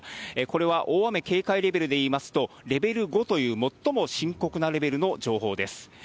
これは、大雨警戒レベルでいいますと、レベル５という最も深刻なレベルの情報です。